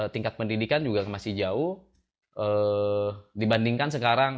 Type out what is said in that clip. tingkat pendidikan juga masih jauh dibandingkan sekarang